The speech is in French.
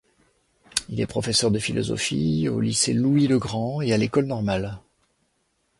Il est professeur de philosophie au lycée Louis-le-Grand et à l'École normale.